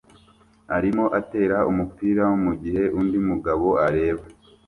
arimo atera umupira mugihe undi mugabo areba